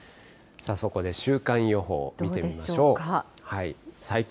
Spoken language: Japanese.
そこで週間予報見てみましょう。